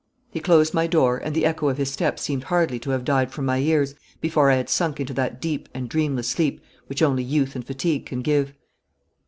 He closed my door, and the echo of his steps seemed hardly to have died from my ears before I had sunk into that deep and dreamless sleep which only youth and fatigue can give.